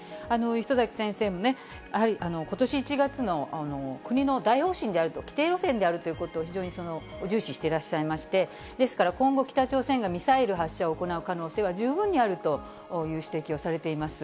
礒崎先生も、やはりことし１月の国の大方針であると、既定路線であるということを非常に重視していらっしゃいまして、ですから今後、北朝鮮がミサイル発射を行う可能性は十分にあるという指摘をされています。